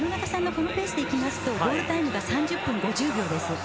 このペースでいきますとゴールタイムが３０分５０秒です。